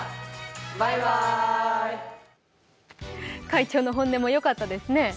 会長の本音もよかったですね。